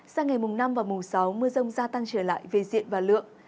sang ngày mùng năm và mùng sáu mưa rông gia tăng trở lại về diện và lượng